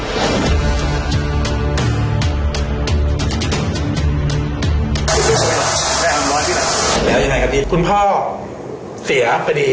เป็นไงกับดีคุณพ่อเสียไปดี